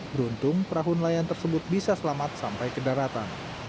beruntung perahu nelayan tersebut bisa selamat sampai ke daratan